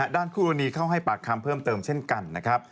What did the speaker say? ด้านผู้รณีเข้าให้ปากคามเพิ่มเติมเช่นกัน